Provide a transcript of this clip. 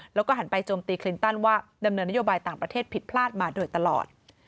แล้วก็หันไปโจมตีคลินตันว่าดำเนินนโยบายต่างประเทศผิดพลาดมาโดยตลอด